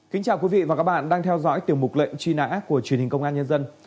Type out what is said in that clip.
kính chào quý vị và các bạn đang theo dõi tiểu mục lệnh truy nã của truyền hình công an nhân dân